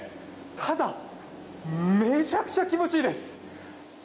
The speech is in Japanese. ただ、めちゃくちゃ気持ちいいです。